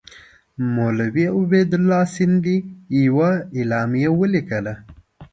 مولوي عبیدالله سندي یوه اعلامیه ولیکله.